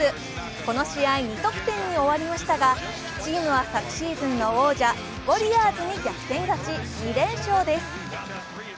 この試合、２得点に終わりましたがチームは昨シーズンの王者ウォリアーズに逆転勝ち、２連勝です。